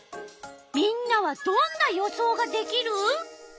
みんなはどんな予想ができる？